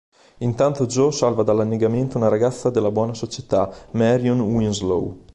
Intanto Joe salva dall'annegamento una ragazza della buona società, Marion Winslow.